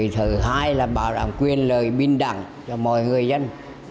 thứ hai là bảo đảm quyền lợi binh đẳng cho mọi người dân